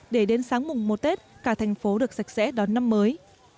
để đến sáng mùng một tết cả thành phố được sạch sẽ đón năm mới